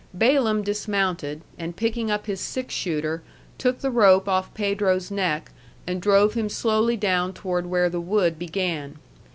Balaam dismounted, and picking up his six shooter, took the rope off Pedro's neck and drove him slowly down toward where the wood began.